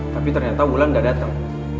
tapi ternyata wulan gak dateng